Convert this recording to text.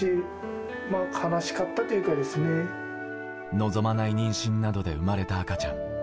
望まない妊娠などで生まれた赤ちゃん。